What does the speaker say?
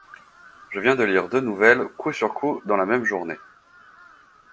Je viens de lire deux nouvelles coup sur coup dans la même journée.